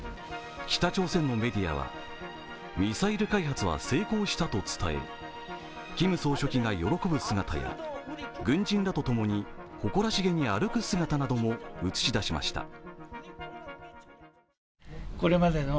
北朝鮮のメディアはミサイル開発は成功したと伝えキム総書記が喜ぶ姿や軍人らと共に誇らしげに歩く姿なども映し出しました。